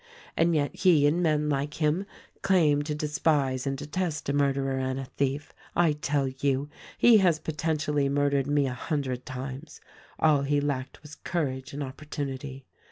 And yet he and men like him claim to despise and detest a murderer and a thief. I tell you, he has potentially murdered me a hundred times. All he lacked was courage and opportunity.